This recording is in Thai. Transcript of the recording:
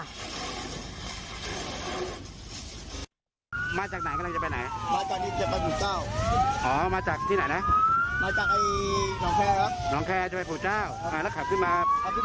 ก็เลยลุกลามาถึงรถเรา